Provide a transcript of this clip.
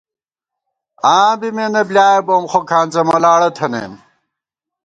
آں بی مېنہ بۡلیایَہ بوم خو کھانڅہ ملاڑہ تھنَئیم